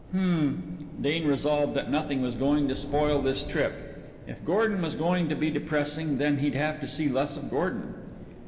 "Hm." Dean resolved that nothing was going to spoil his trip. If Gordon was going to be depressing, then he'd have to see less of Gordon.